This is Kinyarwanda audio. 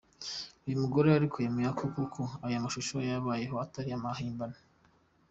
Uyu mugore ariko yemeye ko koko aya mashusho yabayeho atari amahimbano.